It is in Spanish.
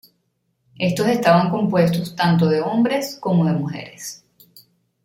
Estos estaban compuestos tanto de hombres como de mujeres.